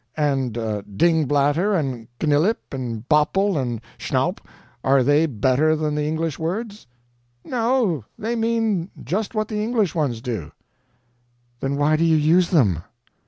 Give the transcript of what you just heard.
"And 'DINGBLATTER' and 'GNILLIC,' and 'BOPPLE,' and 'SCHNAWP' are they better than the English words?" "No, they mean just what the English ones do." "Then why do you use them?